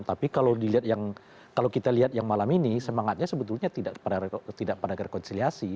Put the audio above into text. tapi kalau kita lihat yang malam ini semangatnya sebetulnya tidak pada rekonsiliasi